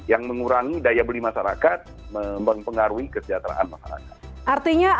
yang mengurangi daya beli masyarakat mempengaruhi kesejahteraan masyarakat